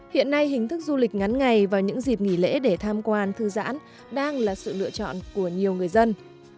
hiện nay hình thức du lịch ngắn ngày vào những dịp nghỉ lễ để tham quan thư giãn đang là sự lựa chọn của nhiều người dân